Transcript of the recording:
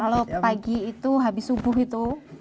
kalau pagi itu habis subuh itu